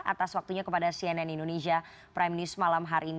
atas waktunya kepada cnn indonesia prime news malam hari ini